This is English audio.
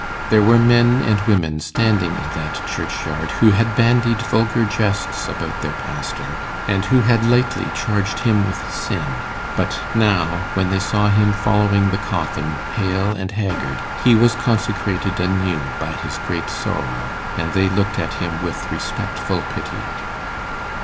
There were men and women standing in that churchyard who had bandied vulgar jests about their pastor, and who had lightly charged him with sin; but now, when they saw him following the coffin, pale and haggard, he was consecrated anew by his great sorrow, and they looked at him with respectful pity.